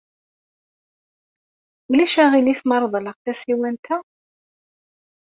Ulac aɣilif ma reḍleɣ tasiwant-a?